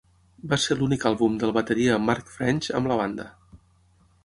Va ser l'únic àlbum del bateria Mark French amb la banda.